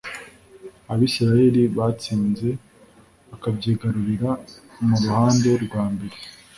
Abisirayeli batsinze bakabyigarurira mu ruhande rwambere